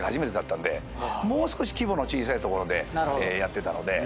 もう少し規模の小さい所でやってたので。